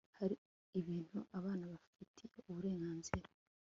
Hari ibintu abana bafitiye uburenganzira